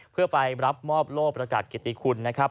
เพื่อไปรับมอบโลกประกาศเกติคุณนะครับ